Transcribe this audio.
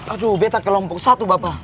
aduh beta kelompok satu bapak